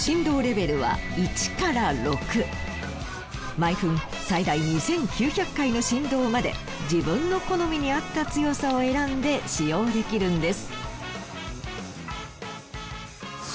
毎分最大２，９００回の振動まで自分の好みに合った強さを選んで使用できるんです。